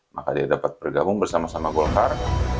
maka dia dapat bergabung bersama sama golkar